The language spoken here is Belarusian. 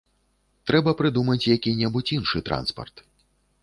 Трэба прыдумаць які-небудзь іншы транспарт.